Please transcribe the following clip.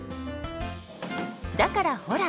だからほら！